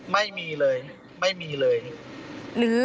ไม่มีเลยไม่มีเลย